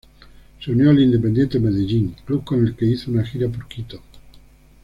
Se unió al Independiente Medellín, club con el que hizo una gira por Quito.